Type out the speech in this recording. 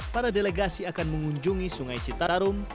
para delegasi akan mengunjungi sungai citarum